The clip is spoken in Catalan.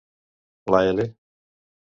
La L